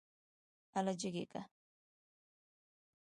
اله جګ يې که.